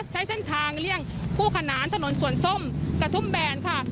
ใช้เส้นทางเลี่ยงคู่ขนานถนนสวนส้มกระทุ่มแบนค่ะ